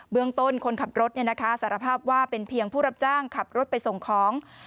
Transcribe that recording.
เมืองต้นคนขับรถสารภาพว่าเป็นเพียงผู้รับจ้างขับรถไปส่งของ